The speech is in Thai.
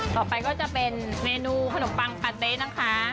ต่อไปก็จะเป็นเมนูขนมปังปาเต๊ะนะคะ